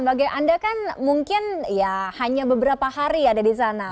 bagi anda kan mungkin ya hanya beberapa hari ada di sana